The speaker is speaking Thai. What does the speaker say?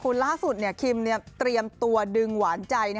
คุณล่าสุดคิมเตรียมตัวดึงหวานใจ